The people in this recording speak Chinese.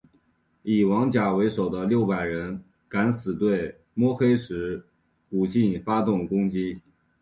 以王甲为首的六百人敢死队摸黑对古晋发动攻击。